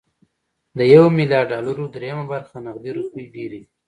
د يو ميليارد ډالرو درېيمه برخه نغدې روپۍ ډېرې دي.